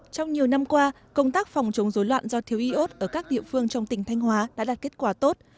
trong nhiều năm qua công tác phòng chống dối loạn do thiếu iốt ở các địa phương trong tỉnh thanh hóa đã đạt kết quả tốt